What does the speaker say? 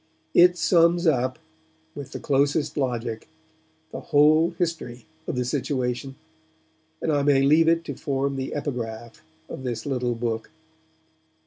It sums up, with the closest logic, the whole history of the situation, and I may leave it to form the epigraph of this little book.